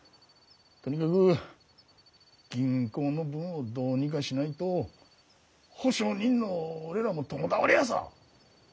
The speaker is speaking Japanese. とにかく銀行の分をどうにかしないと保証人の俺らも共倒れヤサ。